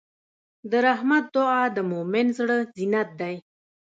د رحمت دعا د مؤمن زړۀ زینت دی.